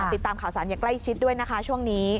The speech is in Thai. ติดตามข่าวสารอย่างใกล้ชิดด้วยนะคะช่วงนี้